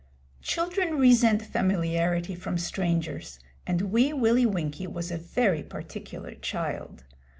Children resent familiarity from strangers, and Wee Willie Winkie was a very particular child.